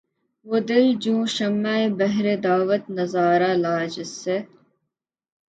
وہ دل جوں شمعِ بہرِ دعوت نظارہ لا‘ جس سے